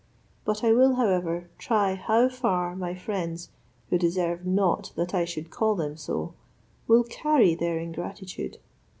But I will, however, try how far my friends, who deserve not that I should call them so, will carry their ingratitude.